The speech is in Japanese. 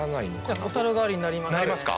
お皿代わりになりますね。